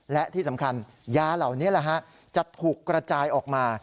และที่สำคัญยาเหล่านี้จะถูกกระจายออกมา